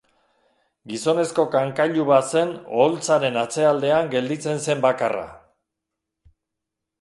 Gizonezko kankailu bat zen oholtzaren atzealdean gelditzen zen bakarra.